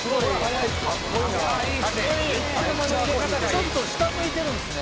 「ちょっと下向いてるんですね」